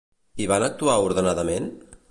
I van actuar ordenadament?